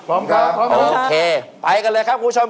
โอเคไปกันเลยครับคุณผู้ชม